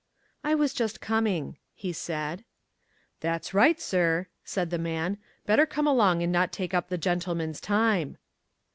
"I was just coming," he said. "That's right, sir," said the man; "better come along and not take up the gentleman's time."